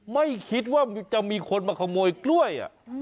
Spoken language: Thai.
ไม่คิดว่าจะมีคนมาขโมยกล้วย